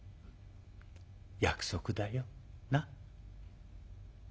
「約束だよ。なっ？」。